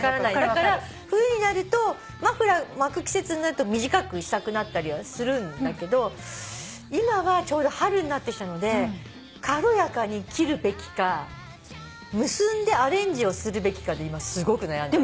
だから冬になるとマフラー巻く季節になると短くしたくなったりはするんだけど今はちょうど春になってきたので軽やかに切るべきか結んでアレンジをするべきかで今すごく悩んでます。